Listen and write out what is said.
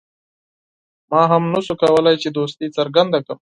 ما هم نه شو کولای چې دوستي څرګنده کړم.